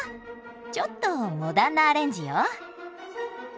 ちょっとモダンなアレンジよ。